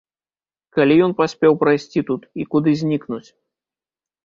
Калі ён паспеў прайсці тут і куды знікнуць?